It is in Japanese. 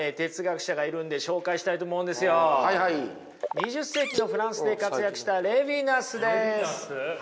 ２０世紀のフランスで活躍したレヴィナスです。